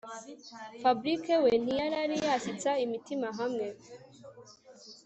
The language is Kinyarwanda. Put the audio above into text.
Fabric we ntiyarari yashyitsa imitima hamwe